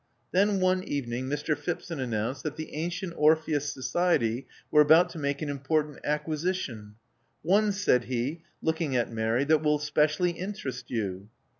Then, one evening, Mr. Phipson announced that the Antient Orpheus Society were about to make an important acquisition — one," said he, looking at Mary, that will specially interest you."